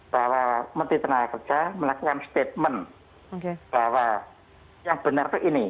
bahwa menteri tenaga kerja melakukan statement bahwa yang benar itu ini